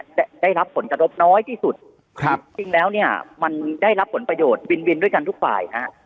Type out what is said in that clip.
จะได้รับผลกระทบน้อยที่สุดครับจริงแล้วเนี่ยมันได้รับผลประโยชน์วินวินด้วยกันทุกฝ่ายฮะ